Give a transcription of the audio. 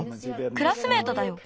「クラスメートだよ」。